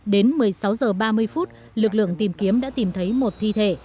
đến một mươi sáu h ba mươi phút lực lượng tìm kiếm đã tìm thấy một thi thể